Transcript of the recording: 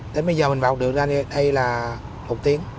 đến bây giờ mình vào được ra đây là một tiếng